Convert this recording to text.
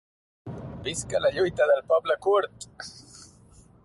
Visca la lluita del poble kurd!